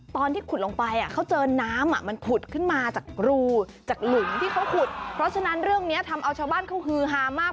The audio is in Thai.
ตอนที่ขุดลงไปเขาเจอน้ำ